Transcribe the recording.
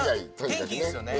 元気いいっすよね。